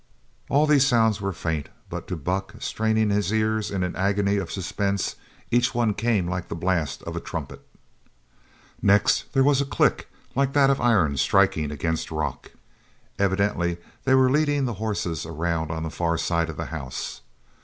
All these sounds were faint, but to Buck, straining his ears in an agony of suspense, each one came like the blast of a trumpet. Next there was a click like that of iron striking against rock. Evidently they were leading the horses around on the far side of the house.